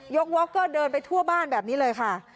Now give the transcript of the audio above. ว็อกเกอร์เดินไปทั่วบ้านแบบนี้เลยค่ะ